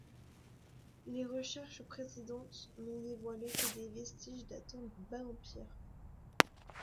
Les recherches précédentes n'ont dévoilé que des vestiges datant du Bas-Empire.